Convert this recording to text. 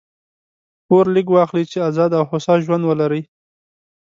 پور لږ واخلئ! چي آزاد او هوسا ژوند ولرئ.